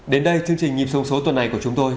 đến đây chương trình nhịp sông số tuần này của chúng tôi